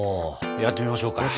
やってみましょう。